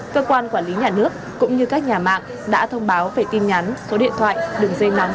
cơ quan quản lý nhà nước cũng như các nhà mạng đã thông báo về tin nhắn số điện thoại đường dây nắng chính thức của nhà mạng